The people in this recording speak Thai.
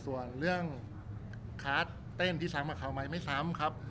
ส่วนเรื่องคาร์ดเต้นที่ซ้ำกับเขาไหมไม่ซ้ำครับ